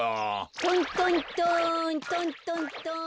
トントントントントントン。